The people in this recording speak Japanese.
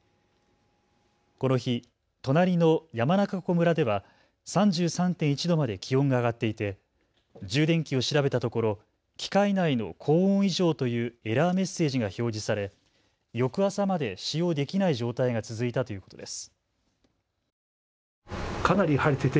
この日、隣の山中湖村では３３．１度まで気温が上がっていて充電器を調べたところ機械内の高温異常というエラーメッセージが表示され翌朝まで使用できない状態が続いたということです。